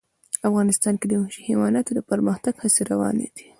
افغانستان کې د وحشي حیواناتو د پرمختګ هڅې روانې دي.